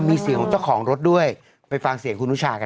มีเสียงของเจ้าของรถด้วยไปฟังเสียงคุณอุชากัน